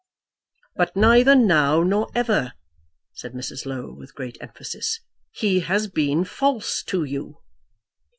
"But neither now nor ever," said Mrs. Low, with great emphasis; "he has been false to you."